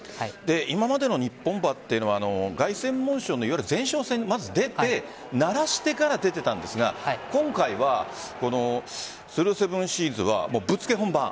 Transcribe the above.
今までの日本馬というのは凱旋門賞の前哨戦にまず出て慣らしてから出ていたんですが今回はスルーセブンシーズはぶっつけ本番。